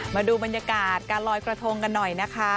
มาดูบรรยากาศการลอยกระทงกันหน่อยนะคะ